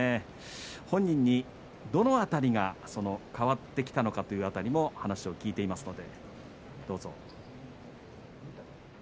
本人に、どの辺りが変わってきたのかという辺りも話を聞いています。